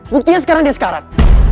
buktinya sekarang dia sekarang